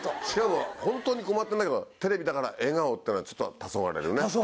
しかも本当に困ってんだけどテレビだから笑顔っていうのはちょっとたそがれるね。